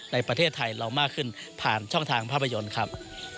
ในประเทศไทยเรามากขึ้นผ่านช่องทางภาพยนตร์ครับ